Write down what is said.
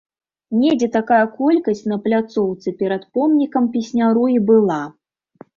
Недзе такая колькасць на пляцоўцы перад помнікам песняру і была.